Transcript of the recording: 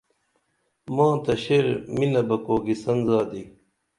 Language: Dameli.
ماں تہ شعر مِنہ بہ کُوکِسن زادی